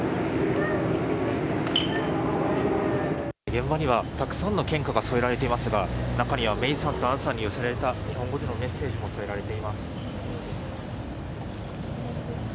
現場にはたくさんの献花が添えられていますが中には芽生さんと杏さんに宛てた日本語でのメッセージも添えられています。